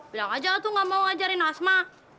bilang aja tuh nggak mau ngajarin asma